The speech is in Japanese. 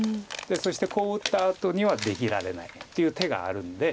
そしてこう打ったあとには出切られないっていう手があるんで。